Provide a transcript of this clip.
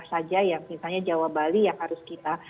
tentunya ini juga akan mengeram sebenarnya mobilitas kita